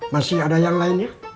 masih ada yang lainnya